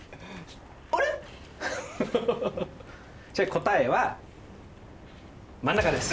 答えは真ん中です。